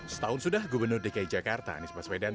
setahun sudah gubernur dki jakarta anies baswedan